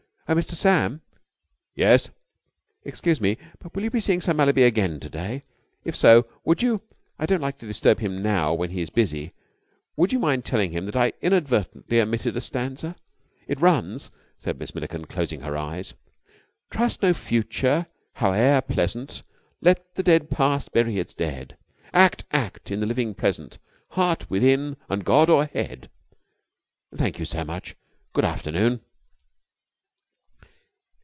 "Oh, Mr. Sam!" "Yes?" "Excuse me, but will you be seeing Sir Mallaby again to day? If so, would you I don't like to disturb him now, when he is busy would you mind telling him that I inadvertently omitted a stanza. It runs," said Miss Milliken, closing her eyes, "'Trust no future, howe'er pleasant. Let the dead past bury its dead! Act, act in the living Present, Heart within and God o'erhead!' Thank you so much. Good afternoon."